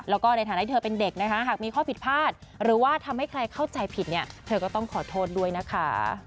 แล้วก็ในฐานะที่เธอเป็นเด็กนะคะหากมีข้อผิดพลาดหรือว่าทำให้ใครเข้าใจผิดเนี่ยเธอก็ต้องขอโทษด้วยนะคะ